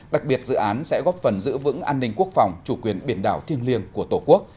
đặc biệt dự án sẽ góp phần giữ vững an ninh quốc phòng chủ quyền biển đảo thiêng liêng của tổ quốc